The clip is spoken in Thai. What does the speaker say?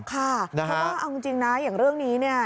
เพราะว่าเอาจริงนะอย่างเรื่องนี้เนี่ย